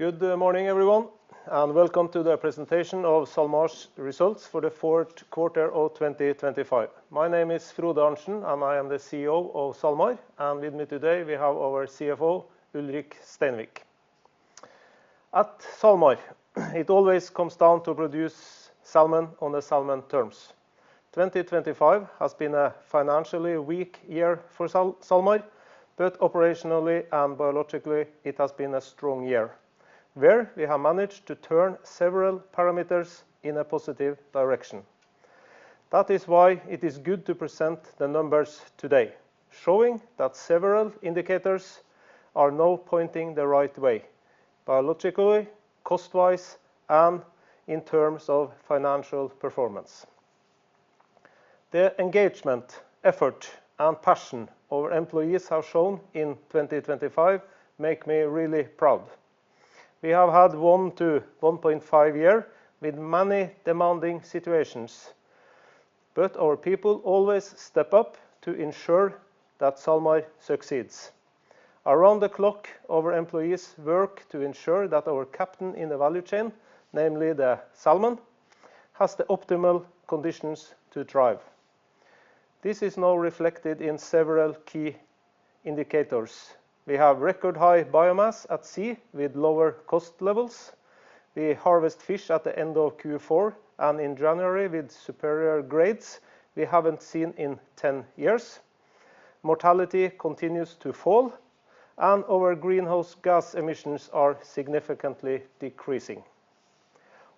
Good morning, everyone, and welcome to the presentation of SalMar's results for the fourth quarter of 2025. My name is Frode Arntsen, and I am the CEO of SalMar, and with me today we have our CFO, Ulrik Steinvik. At SalMar, it always comes down to produce salmon on the salmon terms. 2025 has been a financially weak year for SalMar, but operationally and biologically it has been a strong year, where we have managed to turn several parameters in a positive direction. That is why it is good to present the numbers today, showing that several indicators are now pointing the right way, biologically, cost-wise, and in terms of financial performance. The engagement, effort, and passion our employees have shown in 2025 make me really proud. We have had one to 1.5 years with many demanding situations, but our people always step up to ensure that SalMar succeeds. Around the clock, our employees work to ensure that our captain in the value chain, namely the salmon, has the optimal conditions to thrive. This is now reflected in several key indicators. We have record high biomass at sea with lower cost levels. We harvest fish at the end of Q4 and in January with superior grades we haven't seen in 10 years. Mortality continues to fall, our greenhouse gas emissions are significantly decreasing.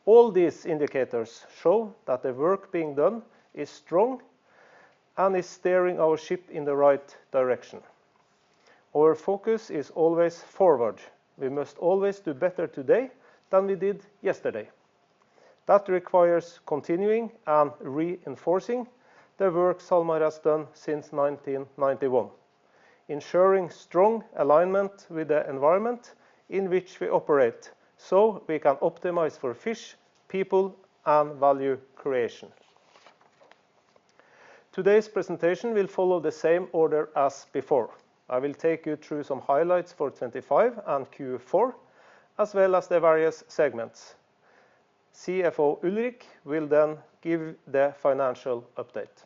All these indicators show that the work being done is strong and is steering our ship in the right direction. Our focus is always forward. We must always do better today than we did yesterday. That requires continuing and reinforcing the work SalMar has done since 1991, ensuring strong alignment with the environment in which we operate, so we can optimize for fish, people, and value creation. Today's presentation will follow the same order as before. I will take you through some highlights for 2025 and Q4, as well as the various segments. CFO Ulrik will then give the financial update.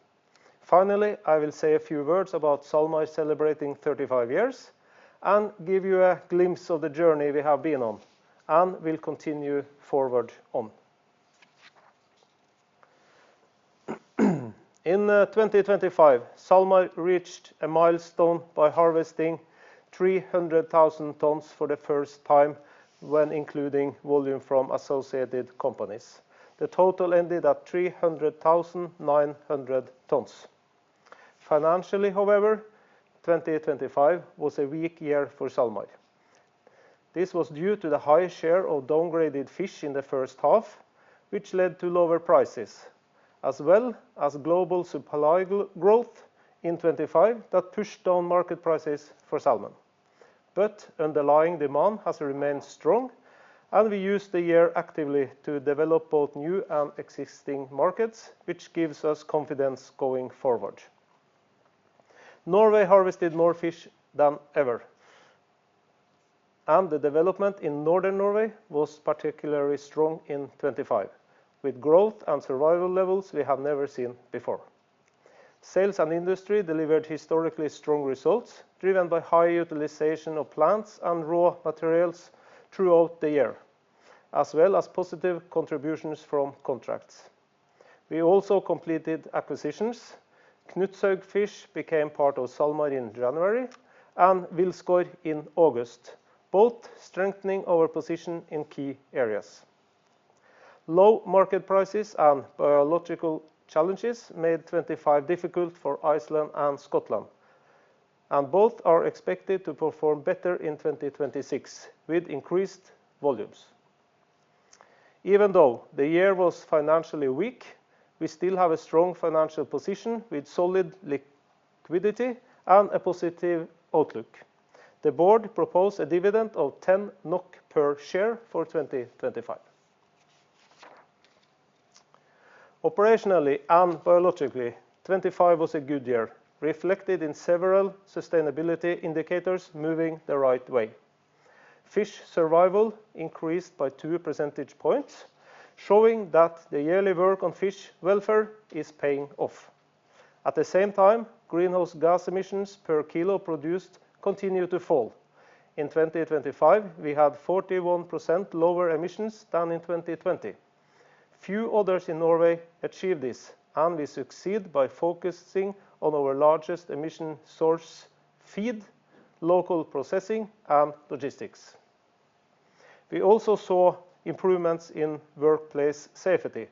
I will say a few words about SalMar celebrating 35 years and give you a glimpse of the journey we have been on and will continue forward on. In 2025, SalMar reached a milestone by harvesting 300,000 tons for the first time when including volume from associated companies. The total ended at 300,900 tons. Financially, however, 2025 was a weak year for SalMar. This was due to the high share of downgraded fish in the first half, which led to lower prices, as well as global supply growth in 2025 that pushed down market prices for salmon. Underlying demand has remained strong, and we used the year actively to develop both new and existing markets, which gives us confidence going forward. Norway harvested more fish than ever, and the development in Northern Norway was particularly strong in 2025, with growth and survival levels we have never seen before. Sales and industry delivered historically strong results, driven by high utilization of plants and raw materials throughout the year, as well as positive contributions from contracts. We also completed acquisitions. Knutshaugfisk became part of SalMar in January and Wilsgård in August, both strengthening our position in key areas. Low market prices and biological challenges made 2025 difficult for Iceland and Scotland, and both are expected to perform better in 2026 with increased volumes. Even though the year was financially weak, we still have a strong financial position with solid liquidity and a positive outlook. The board proposed a dividend of 10 NOK per share for 2025. Operationally and biologically, 2025 was a good year, reflected in several sustainability indicators moving the right way. Fish survival increased by two percentage points, showing that the yearly work on fish welfare is paying off. At the same time, greenhouse gas emissions per kilo produced continued to fall. In 2025, we had 41% lower emissions than in 2020. Few others in Norway achieve this, and we succeed by focusing on our largest emission source feed, local processing, and logistics. We also saw improvements in workplace safety,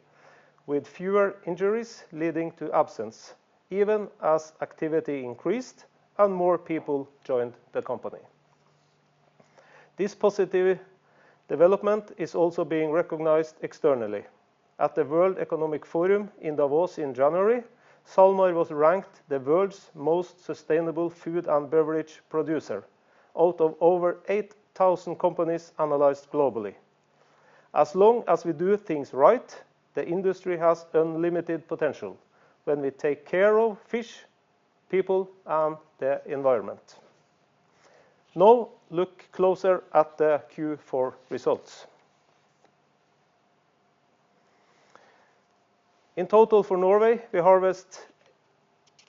with fewer injuries leading to absence, even as activity increased and more people joined the company. This positive development is also being recognized externally. At the World Economic Forum in Davos in January, SalMar was ranked the world's most sustainable food and beverage producer out of over 8,000 companies analyzed globally. As long as we do things right, the industry has unlimited potential when we take care of fish, people, and the environment. Look closer at the Q4 results. In total for Norway, we harvest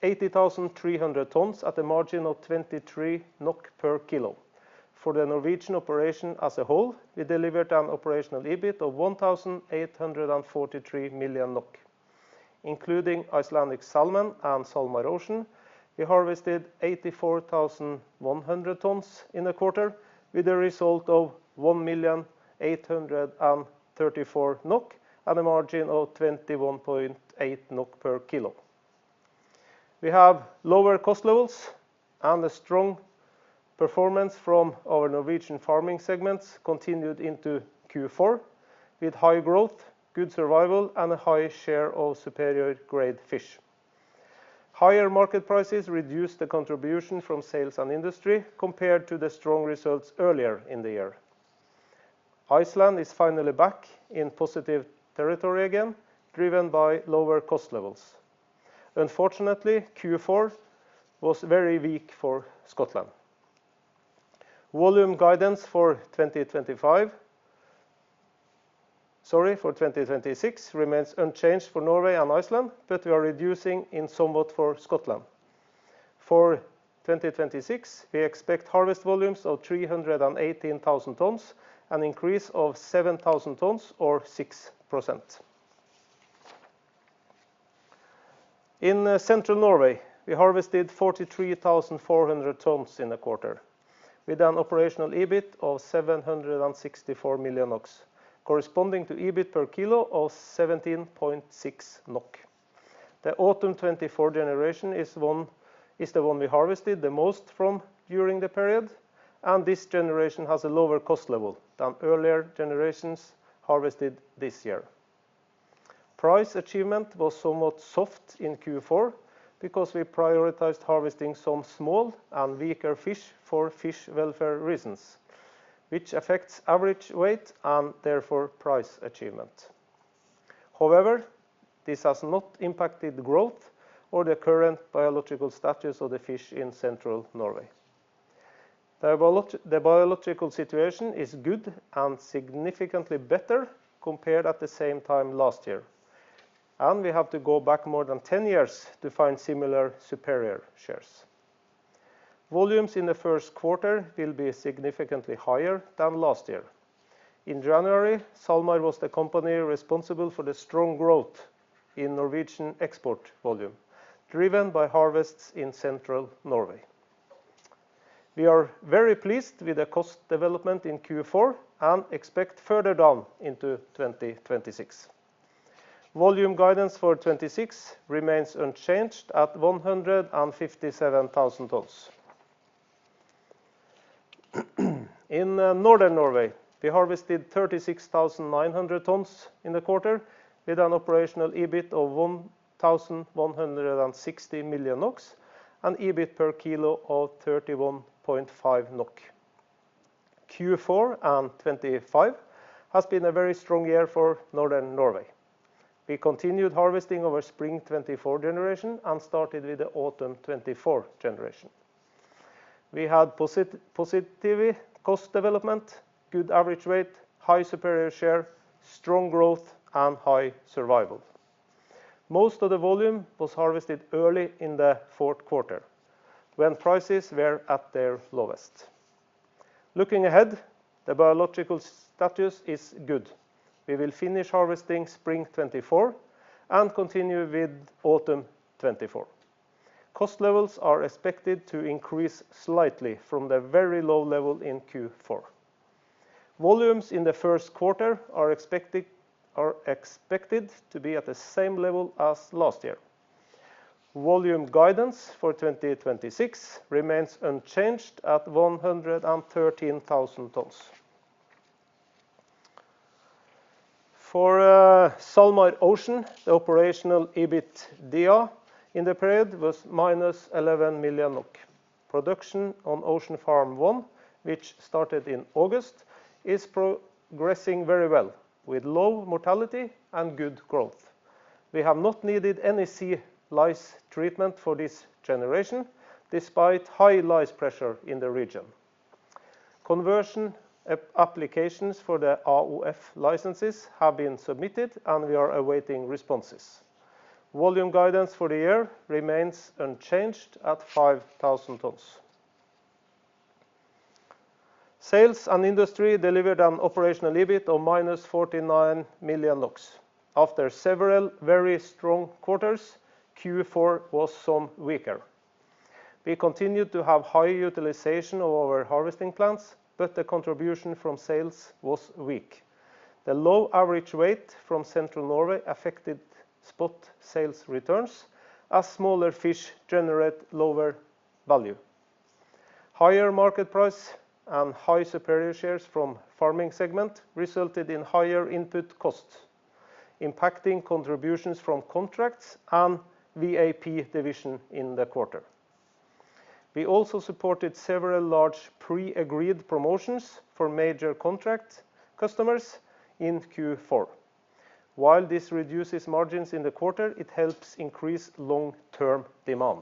80,300 tons at the margin of 23 NOK per kilo. For the Norwegian operation as a whole, we delivered an operational EBIT of 1,843 million NOK. Including Icelandic Salmon and SalMar Ocean, we harvested 84,100 tons in the quarter with a result of 1,000,834 NOK and a margin of 21.8 NOK per kilo. We have lower cost levels and a strong performance from our Norwegian farming segments continued into Q4 with high growth, good survival, and a high share of superior grade fish. Higher market prices reduced the contribution from sales and industry compared to the strong results earlier in the year. Iceland is finally back in positive territory again, driven by lower cost levels. Unfortunately, Q4 was very weak for Scotland. Volume guidance for 2026 remains unchanged for Norway and Iceland, but we are reducing in somewhat for Scotland. For 2026, we expect harvest volumes of 318,000 tons, an increase of 7,000 tons or 6%. In Central Norway, we harvested 43,400 tons in the quarter with an operational EBIT of 764 million NOK, corresponding to EBIT per kilo of 17.6 NOK. The Autumn 2024 generation is the one we harvested the most from during the period. This generation has a lower cost level than earlier generations harvested this year. Price achievement was somewhat soft in Q4 because we prioritized harvesting some small and weaker fish for fish welfare reasons, which affects average weight and therefore price achievement. However, this has not impacted growth or the current biological status of the fish in Central Norway. The biological situation is good and significantly better compared to the same time last year, and we have to go back more than 10 years to find similar superior shares. Volumes in the first quarter will be significantly higher than last year. In January, SalMar was the company responsible for the strong growth in Norwegian export volume, driven by harvests in Central Norway. We are very pleased with the cost development in Q4 and expect further down into 2026. Volume guidance for 2026 remains unchanged at 157,000 tons. In Northern Norway, we harvested 36,900 tons in the quarter with an operational EBIT of 1,160 million NOK and EBIT per kilo of 31.5 NOK. Q4 and 2025 has been a very strong year for Northern Norway. We continued harvesting over spring 2024 generation and started with the autumn 2024 generation. We had positive cost development, good average rate, high superior share, strong growth, and high survival. Most of the volume was harvested early in the fourth quarter when prices were at their lowest. Looking ahead, the biological status is good. We will finish harvesting spring 2024 and continue with autumn 2024. Cost levels are expected to increase slightly from the very low level in Q4. Volumes in the first quarter are expected to be at the same level as last year. Volume guidance for 2026 remains unchanged at 113,000 tons. For SalMar Ocean, the operational EBITDA in the period was -11 million. Production on Ocean Farm 1, which started in August, is progressing very well with low mortality and good growth. We have not needed any sea lice treatment for this generation despite high lice pressure in the region. Conversion applications for the aquaculture licenses have been submitted. We are awaiting responses. Volume guidance for the year remains unchanged at 5,000 tons. Sales and industry delivered an operational EBIT of -49 million. After several very strong quarters, Q4 was some weaker. We continued to have high utilization of our harvesting plants. The contribution from sales was weak. The low average weight from Central Norway affected spot sales returns as smaller fish generate lower value. Higher market price and high superior shares from farming segment resulted in higher input costs, impacting contributions from contracts and VAP division in the quarter. We also supported several large pre-agreed promotions for major contract customers in Q4. While this reduces margins in the quarter, it helps increase long-term demand.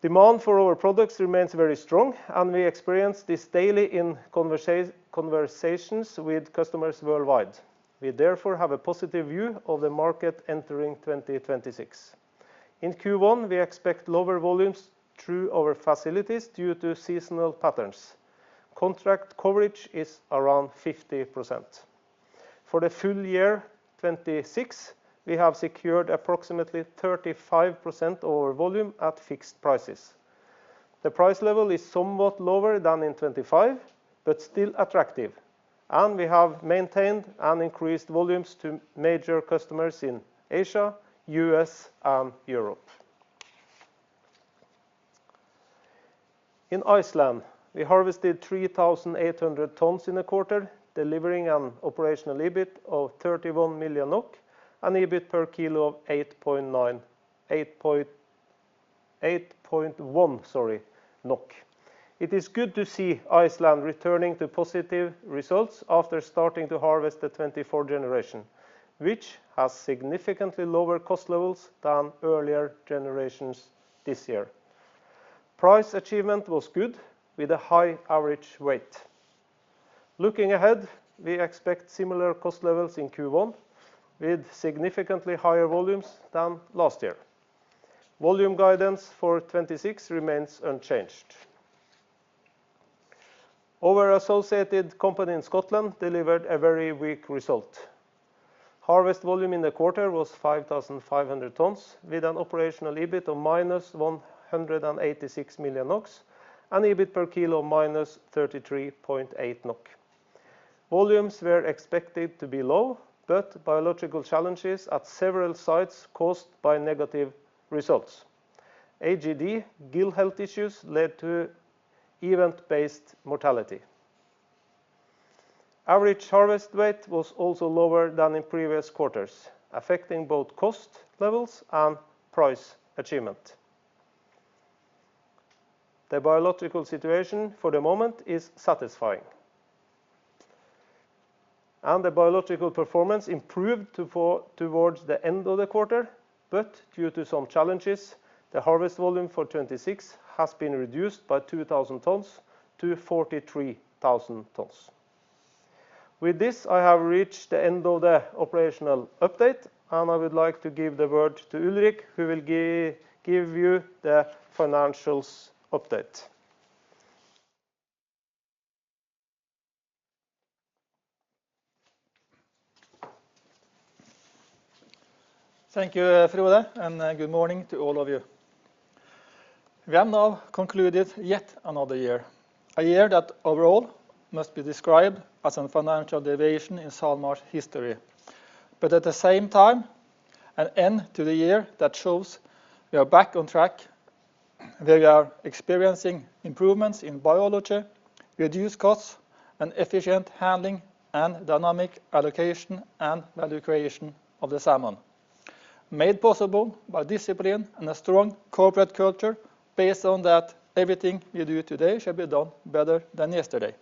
Demand for our products remains very strong, and we experience this daily in conversations with customers worldwide. We therefore have a positive view of the market entering 2026. In Q1, we expect lower volumes through our facilities due to seasonal patterns. Contract coverage is around 50%. For the full year 2026, we have secured approximately 35% of our volume at fixed prices. The price level is somewhat lower than in 2025, but still attractive, and we have maintained and increased volumes to major customers in Asia, U.S., and Europe. In Iceland, we harvested 3,800 tons in the quarter, delivering an operational EBIT of 31 million NOK and EBIT per kilo of 8.1 NOK. It is good to see Iceland returning to positive results after starting to harvest the 24 generation, which has significantly lower cost levels than earlier generations this year. Price achievement was good with a high average weight. Looking ahead, we expect similar cost levels in Q1 with significantly higher volumes than last year. Volume guidance for 2026 remains unchanged. Our associated company in Scotland delivered a very weak result. Harvest volume in the quarter was 5,500 tons with an operational EBIT of -186 million NOK and EBIT per kilo -33.8 NOK. Volumes were expected to be low, but biological challenges at several sites caused by negative results. AGD gill health issues led to event-based mortality. Average harvest weight was also lower than in previous quarters, affecting both cost levels and price achievement. The biological situation for the moment is satisfying. The biological performance improved towards the end of the quarter, but due to some challenges, the harvest volume for 2026 has been reduced by 2,000 tons to 43,000 tons. With this, I have reached the end of the operational update, and I would like to give the word to Ulrik, who will give you the financials update. Thank you, Frode, and good morning to all of you. We have now concluded yet another year, a year that overall must be described as a financial deviation in SalMar's history. At the same time, an end to the year that shows we are back on track, we are experiencing improvements in biology, reduced costs, and efficient handling and dynamic allocation and value creation of the salmon. Made possible by discipline and a strong corporate culture based on that everything you do today should be done better than yesterday.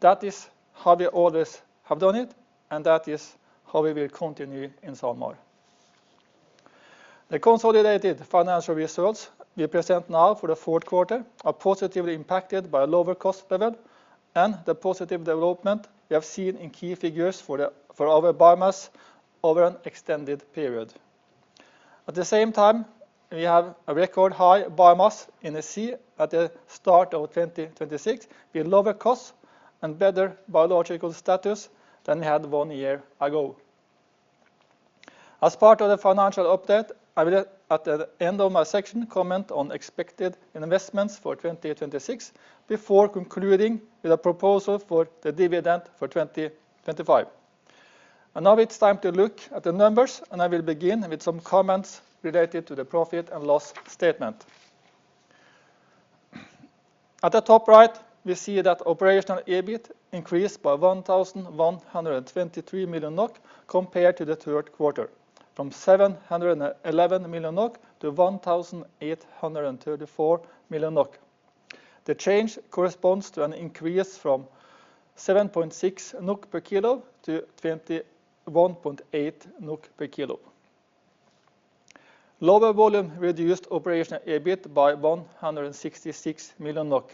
That is how we always have done it, and that is how we will continue in SalMar. The consolidated financial results we present now for the fourth quarter are positively impacted by a lower cost level and the positive development we have seen in key figures for our biomass over an extended period. At the same time, we have a record high biomass in the sea at the start of 2026 with lower costs and better biological status than we had one year ago. As part of the financial update, I will at the end of my section comment on expected investments for 2026 before concluding with a proposal for the dividend for 2025. Now it's time to look at the numbers, I will begin with some comments related to the profit and loss statement. At the top right, we see that operational EBIT increased by 1,123 million NOK compared to the third quarter, from 711 million NOK to 1,834 million NOK. The change corresponds to an increase from 7.6 NOK per kilo to 21.8 NOK per kilo. Lower volume reduced operational EBIT by 166 million NOK.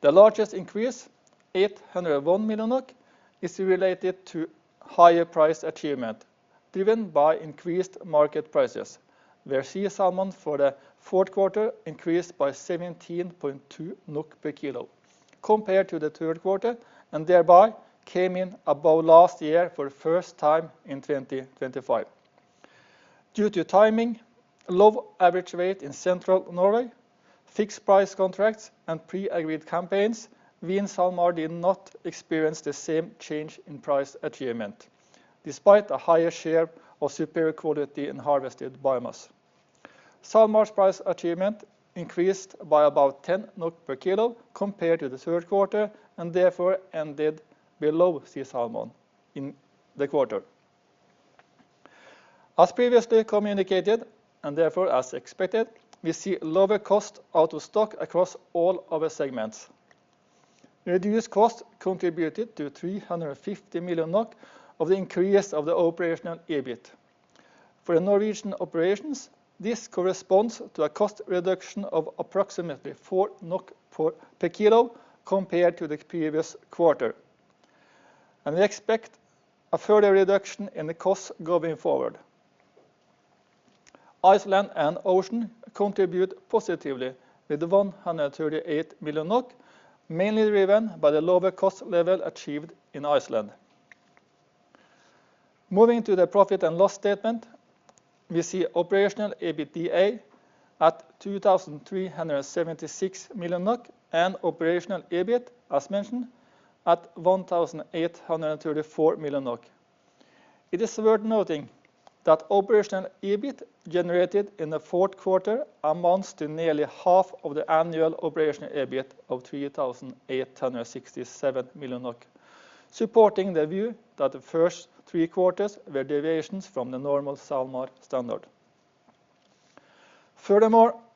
The largest increase, 801 million NOK, is related to higher price achievement driven by increased market prices where SISALMON for the fourth quarter increased by 17.2 NOK per kilo compared to the third quarter and thereby came in above last year for the first time in 2025. Due to timing, low average weight in central Norway, fixed price contracts, and pre-agreed campaigns, we in SalMar did not experience the same change in price achievement despite a higher share of superior quality and harvested biomass. SalMar's price achievement increased by about 10 NOK per kilo compared to the third quarter and therefore ended below SISALMON in the quarter. As previously communicated, and therefore as expected, we see lower cost out of sea across all our segments. Reduced cost contributed to 350 million NOK of the increase of the operational EBIT. For the Norwegian operations, this corresponds to a cost reduction of approximately 4 NOK per kilo compared to the previous quarter. We expect a further reduction in the costs going forward. Iceland and Ocean contribute positively with 138 million NOK, mainly driven by the lower cost level achieved in Iceland. Moving to the profit and loss statement, we see operational EBITDA at 2,376 million NOK and operational EBIT, as mentioned, at 1,834 million NOK. It is worth noting that operational EBIT generated in the fourth quarter amounts to nearly half of the annual operational EBIT of 3,867 million, supporting the view that the first three quarters were deviations from the normal SalMar standard.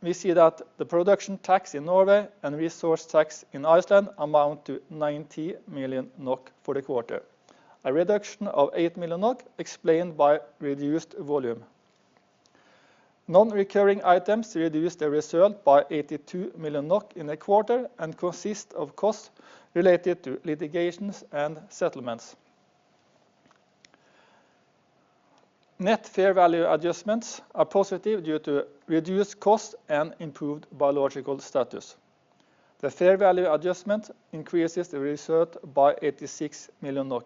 We see that the production tax in Norway and resource tax in Iceland amount to 90 million NOK for the quarter. A reduction of 8 million NOK explained by reduced volume. Non-recurring items reduced the result by 82 million NOK in the quarter and consist of costs related to litigations and settlements. Net fair value adjustments are positive due to reduced costs and improved biological status. The fair value adjustment increases the result by 86 million NOK.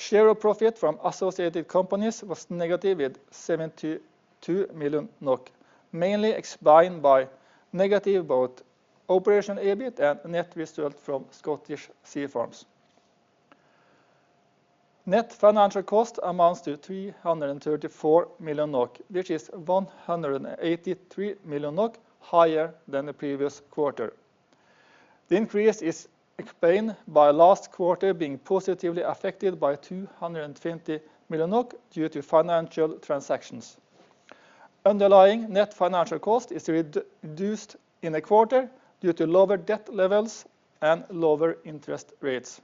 Share of profit from associated companies was negative at 72 million NOK, mainly explained by negative both operational EBIT and net result from Scottish Sea Farms. Net financial cost amounts to 334 million NOK, which is 183 million NOK higher than the previous quarter. The increase is explained by last quarter being positively affected by 220 million due to financial transactions. Underlying net financial cost is reduced in the quarter due to lower debt levels and lower interest rates.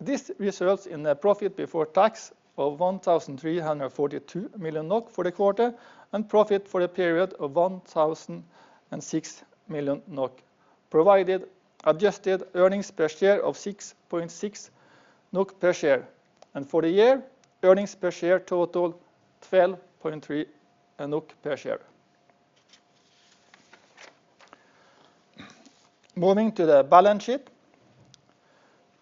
This results in a profit before tax of 1,342 million NOK for the quarter and profit for the period of 1,006 million NOK, provided adjusted earnings per share of 6.6 NOK per share. For the year, earnings per share total 12.3 NOK per share. Moving to the balance sheet,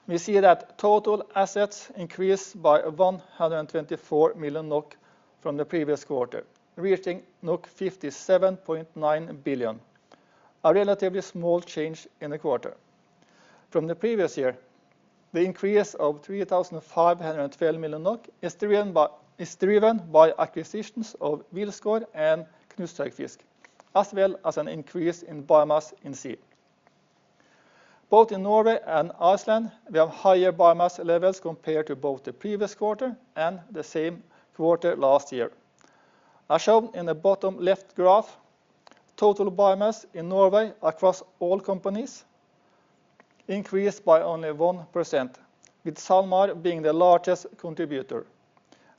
we see that total assets increased by 124 million NOK from the previous quarter, reaching 57.9 billion, a relatively small change in the quarter. From the previous year, the increase of 3,512 million NOK is driven by acquisitions of Wilsgård and Knutshaugfisk, as well as an increase in biomass in sea. Both in Norway and Iceland, we have higher biomass levels compared to both the previous quarter and the same quarter last year. As shown in the bottom left graph, total biomass in Norway across all companies increased by only 1%, with SalMar being the largest contributor.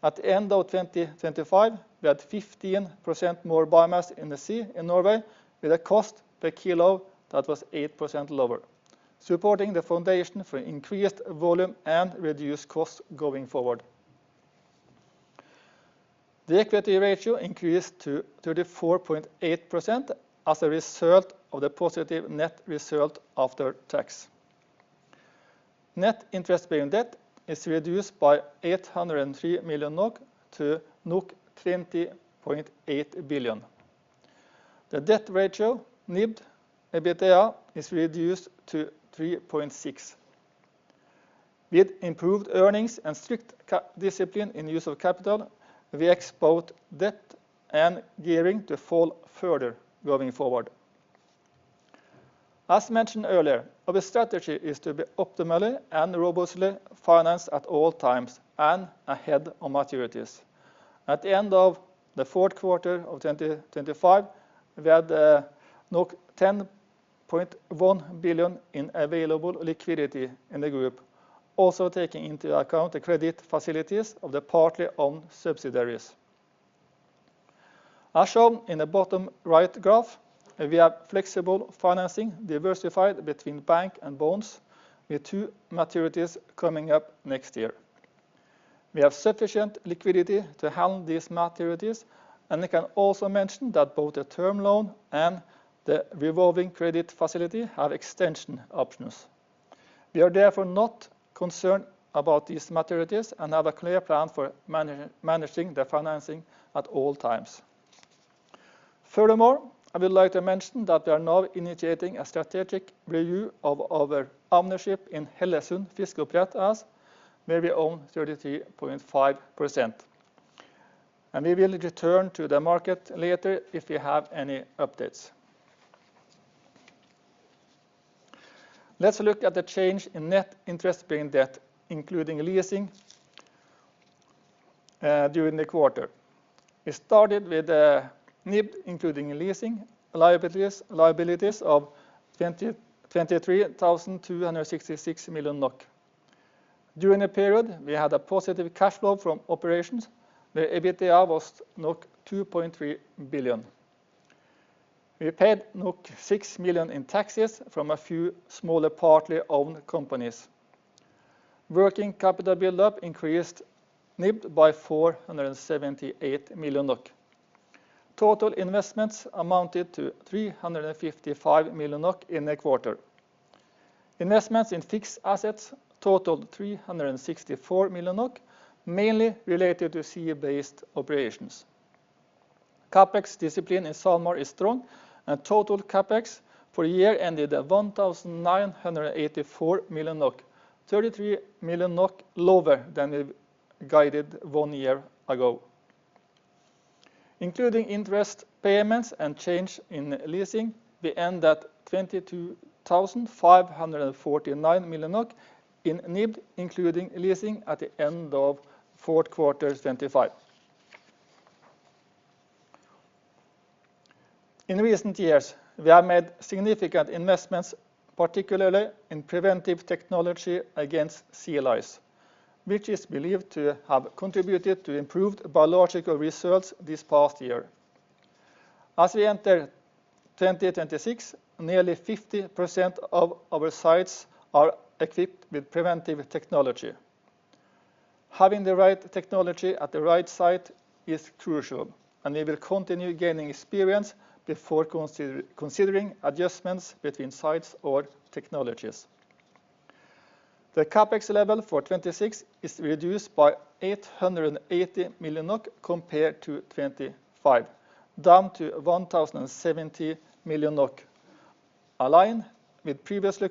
At end of 2025, we had 15% more biomass in the sea in Norway with a cost per kilo that was 8% lower, supporting the foundation for increased volume and reduced costs going forward. The equity ratio increased to 34.8% as a result of the positive net result after tax. Net interest-bearing debt is reduced by 803 million NOK to 20.8 billion. The debt ratio NIBD/EBITDA is reduced to 3.6. With improved earnings and strict CapEx discipline in use of capital, we expect debt and gearing to fall further going forward. As mentioned earlier, our strategy is to be optimally and robustly financed at all times and ahead of maturities. At the end of the fourth quarter of 2025, we had 10.1 billion in available liquidity in the group, also taking into account the credit facilities of the partly owned subsidiaries. As shown in the bottom right graph, we have flexible financing diversified between bank and bonds with two maturities coming up next year. We have sufficient liquidity to handle these maturities, and I can also mention that both the term loan and the revolving credit facility have extension options. We are therefore not concerned about these maturities and have a clear plan for managing the financing at all times. Furthermore, I would like to mention that we are now initiating a strategic review of our ownership in Hellesund Fiskeoppdrett AS, where we own 33.5%. We will return to the market later if we have any updates. Let's look at the change in net interest paying debt, including leasing, during the quarter. It started with NIBD, including leasing liabilities of 23,266 million NOK. During the period, we had a positive cash flow from operations. The EBITDA was 2.3 billion. We paid 6 million in taxes from a few smaller partly owned companies. Working capital build-up increased NIBD by 478 million. Total investments amounted to 355 million in the quarter. Investments in fixed assets totaled 364 million, mainly related to sea-based operations. CapEx discipline in SalMar is strong. Total CapEx for the year ended at 1,984 million NOK, 33 million NOK lower than we guided one year ago. Including interest payments and change in leasing, we end at 22,549 million in NIBD, including leasing at the end of fourth quarter 2025. In recent years, we have made significant investments, particularly in preventive technology against sea lice, which is believed to have contributed to improved biological results this past year. As we enter 2026, nearly 50% of our sites are equipped with preventive technology. Having the right technology at the right site is crucial. We will continue gaining experience before considering adjustments between sites or technologies. The CapEx level for 2026 is reduced by 880 million NOK compared to 2025, down to 1,070 million NOK, aligned with previously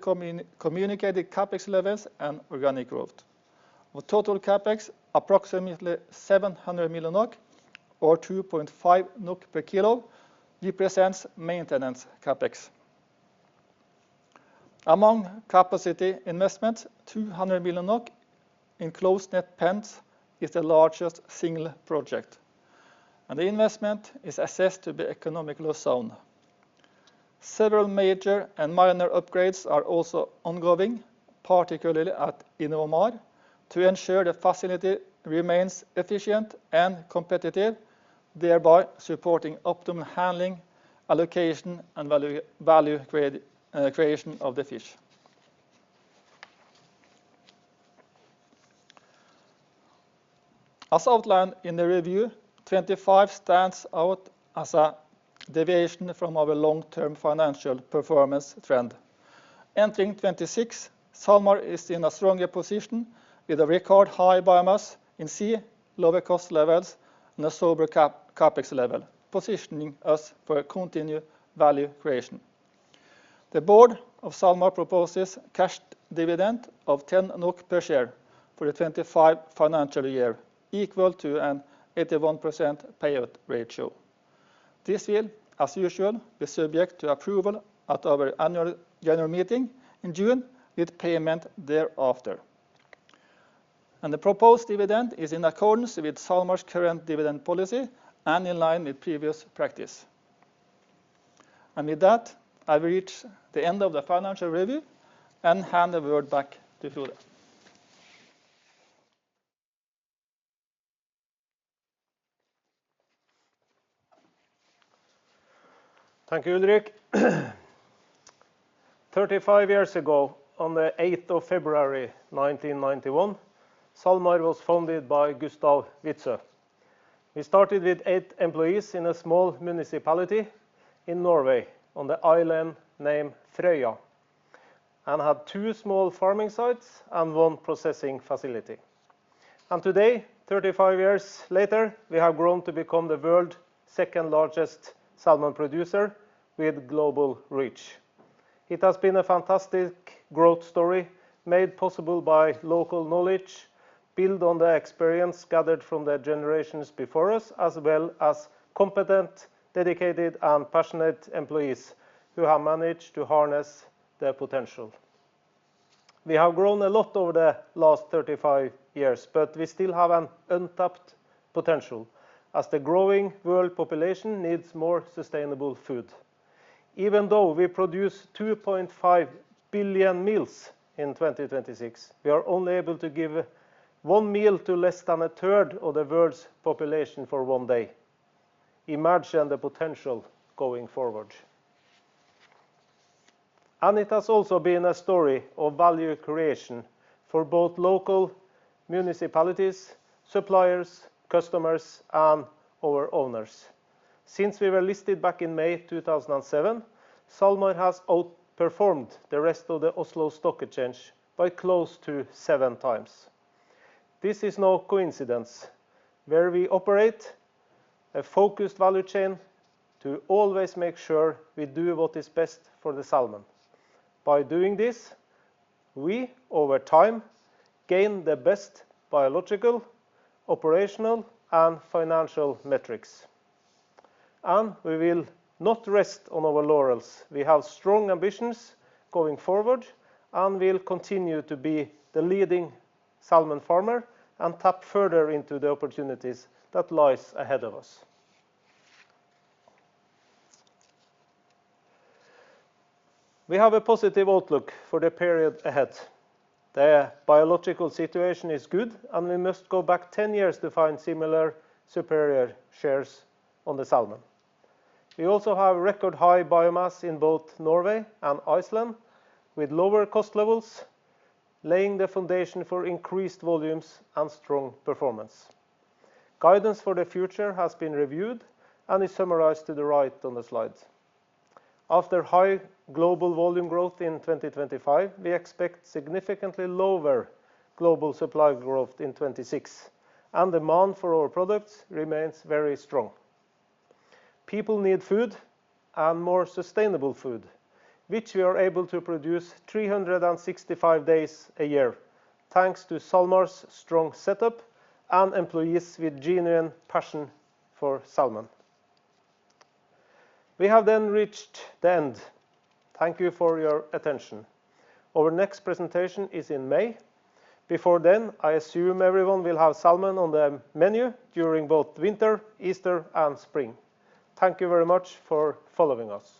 communicated CapEx levels and organic growth. With total CapEx approximately 700 million NOK or 2.5 NOK per kilo represents maintenance CapEx. Among capacity investment, 200 million NOK in closed net pens is the largest single project, and the investment is assessed to be economically sound. Several major and minor upgrades are also ongoing, particularly at InnovaMar, to ensure the facility remains efficient and competitive, thereby supporting optimum handling, allocation, and value creation of the fish. As outlined in the review, 2025 stands out as a deviation from our long-term financial performance trend. Entering 2026, SalMar is in a stronger position with a record high biomass in sea, lower cost levels, and a sober CapEx level, positioning us for continued value creation. The board of SalMar proposes cash dividend of 10 NOK per share for the 2025 financial year, equal to an 81% payout ratio. This will, as usual, be subject to approval at our annual general meeting in June with payment thereafter. The proposed dividend is in accordance with SalMar's current dividend policy and in line with previous practice. With that, I've reached the end of the financial review and hand the word back to Frode. Thank you, Ulrik. 35 years ago, on the February 8th 1991, SalMar was founded by Gustav Witzøe. We started with eight employees in a small municipality in Norway on the island named Frøya and had two small farming sites and one processing facility. Today, 35 years later, we have grown to become the world's second-largest salmon producer with global reach. It has been a fantastic growth story made possible by local knowledge, built on the experience gathered from the generations before us, as well as competent, dedicated, and passionate employees who have managed to harness their potential. We have grown a lot over the last 35 years, but we still have an untapped potential as the growing world population needs more sustainable food. Even though we produce 2.5 billion meals in 2026, we are only able to give one meal to less than a third of the world's population for one day. Imagine the potential going forward. It has also been a story of value creation for both local municipalities, suppliers, customers, and our owners. Since we were listed back in May 2007, SalMar has outperformed the rest of the Oslo Stock Exchange by close to seven times. This is no coincidence. Where we operate a focused value chain to always make sure we do what is best for the salmon. By doing this, we, over time, gain the best biological, operational, and financial metrics. We will not rest on our laurels. We have strong ambitions going forward and will continue to be the leading salmon farmer and tap further into the opportunities that lies ahead of us. We have a positive outlook for the period ahead. The biological situation is good, and we must go back 10 years to find similar superior shares on the salmon. We also have record high biomass in both Norway and Iceland, with lower cost levels, laying the foundation for increased volumes and strong performance. Guidance for the future has been reviewed and is summarized to the right on the slide. After high global volume growth in 2025, we expect significantly lower global supply growth in 2026. Demand for our products remains very strong. People need food and more sustainable food, which we are able to produce 365 days a year thanks to SalMar's strong setup and employees with genuine passion for salmon. We have then reached the end. Thank you for your attention. Our next presentation is in May. Before then, I assume everyone will have salmon on the menu during both winter, Easter, and spring. Thank you very much for following us.